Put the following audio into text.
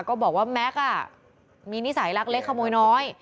บอกว่าแม็กซ์มีนิสัยรักเล็กขโมยน้อย